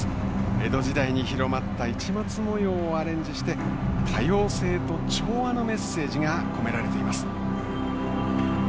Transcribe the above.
江戸時代に広まった「市松模様」をアレンジして多様性と調和のメッセージが込められています。